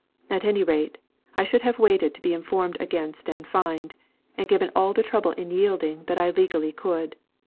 At any rate, I should have waited to be informed against and fined, and given all the trouble in yielding that I legally could.